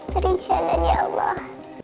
berinjalan ya allah